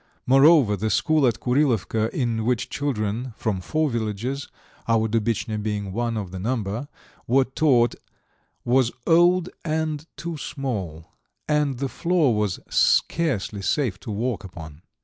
Moreover, the school at Kurilovka in which children from four villages, our Dubetchnya being one of the number were taught, was old and too small, and the floor was scarcely safe to walk upon.